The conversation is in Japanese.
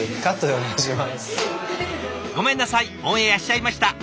ごめんなさいオンエアしちゃいました。